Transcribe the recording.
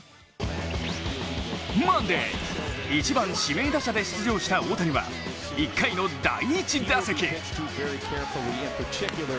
マンデー、１番・指名打者で出場した大谷は１回の第１打席。